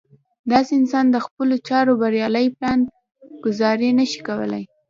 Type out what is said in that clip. داسې انسان د خپلو چارو بريالۍ پلان ګذاري نه شي کولی.